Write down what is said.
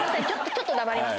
ちょっと黙ります。